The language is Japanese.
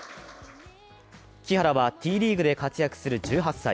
木原はＴリーグで活躍する１８歳。